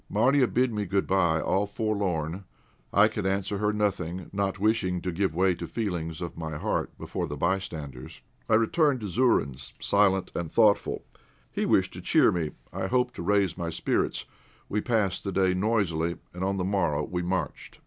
Marya bid me good bye all forlorn; I could answer her nothing, not wishing to give way to the feelings of my heart before the bystanders. I returned to Zourine's silent and thoughtful; he wished to cheer me. I hoped to raise my spirits; we passed the day noisily, and on the morrow we marched.